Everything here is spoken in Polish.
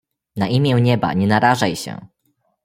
"na imię nieba, nie narażaj się!"